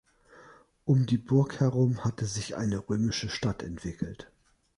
Um die Burg herum hatte sich eine römische Stadt entwickelt.